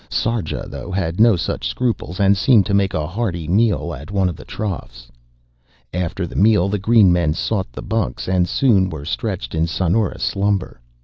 Sarja, though, had no such scruples and seemed to make a hearty meal at one of the troughs. After the meal the green men sought the bunks and soon were stretched in sonorous slumber.